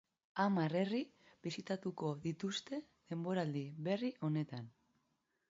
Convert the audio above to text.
Hamar herri bisitatuko dituzte denboraldi berri honetan.